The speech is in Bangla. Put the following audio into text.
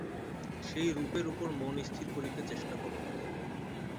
সেই রূপের উপর মন স্থির করিতে চেষ্টা কর।